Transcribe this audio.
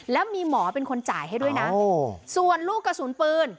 แล้วมีหมอเป็นคนจ่ายให้ด้วยนะส่วนลูกกระสุนปืน